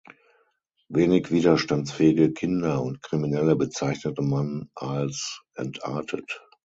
Wenig widerstandsfähige Kinder und Kriminelle bezeichnete man als „entartet“.